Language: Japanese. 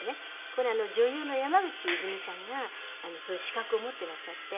これ女優の山口いづみさんがそういう資格を持っていらっしゃって。